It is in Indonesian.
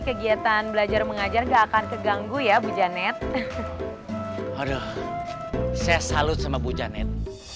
kegiatan belajar mengajar gak akan keganggu ya bu janet aduh saya salut sama bu janet